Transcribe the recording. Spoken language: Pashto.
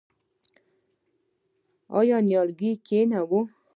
آیا نیالګی کینوو؟